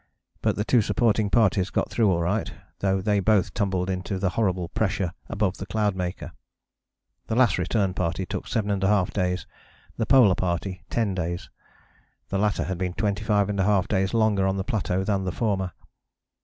But the two supporting parties got through all right, though they both tumbled into the horrible pressure above the Cloudmaker. The Last Return Party took 7½ days: the Polar Party 10 days: the latter had been 25½ days longer on the plateau than the former.